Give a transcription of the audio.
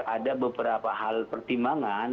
ada beberapa hal pertimbangan